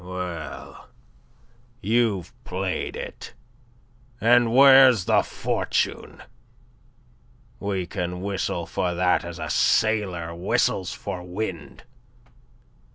Well, you've played it, and where's the fortune? We can whistle for that as a sailor whistles for wind.